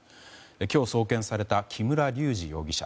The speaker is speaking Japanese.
今日、送検された木村隆二容疑者。